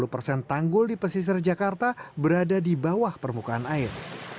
dua puluh persen tanggul di pesisir jakarta berada di bawah permukaan air